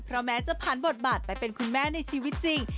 เพราะแม่จะพันบทบาทไปเป็นคุณแม่ในชีวิตจริง